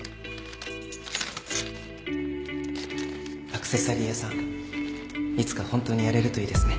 アクセサリー屋さんいつか本当にやれるといいですね